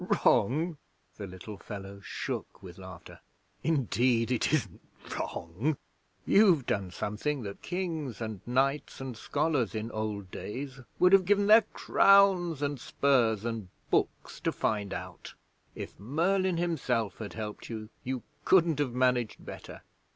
'Wrong!' The little fellow shook with laughter. 'Indeed, it isn't wrong. You've done something that Kings and Knights and Scholars in old days would have given their crowns and spurs and books to find out. If Merlin himself had helped you, you couldn't have managed better!